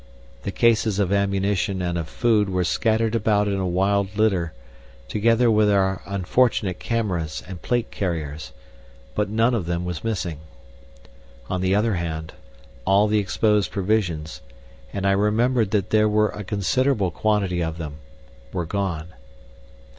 The cases of ammunition and of food were scattered about in a wild litter, together with our unfortunate cameras and plate carriers, but none of them were missing. On the other hand, all the exposed provisions and I remembered that there were a considerable quantity of them were gone.